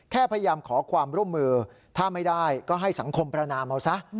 พยายามขอความร่วมมือถ้าไม่ได้ก็ให้สังคมประนามเอาซะ